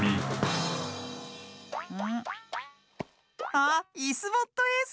あっ「イスボットエース」！